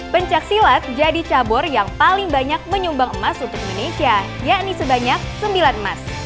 pencaksilat jadi cabur yang paling banyak menyumbang emas untuk indonesia yakni sebanyak sembilan emas